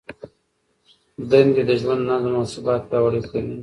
دندې د ژوند نظم او ثبات پیاوړی کوي.